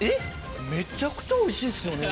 めちゃくちゃおいしいですよね。